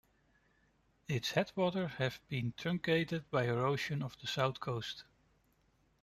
Its headwaters have been truncated by erosion of the south coast.